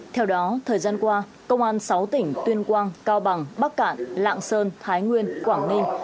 theo đó thời gian qua công an sáu tỉnh tuyên quang cao bằng bắc cạn lạng sơn thái nguyên quảng ninh